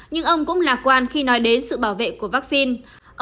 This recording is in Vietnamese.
nhưng ông cũng lạc quan khi nói đến sự bảo vệ của vaccine